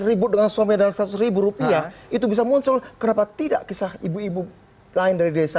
ribut dengan suami dan seratus ribu rupiah itu bisa muncul kenapa tidak kisah ibu ibu lain dari desa